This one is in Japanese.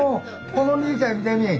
この兄ちゃん見てみぃ。